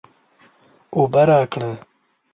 اوبه راکړه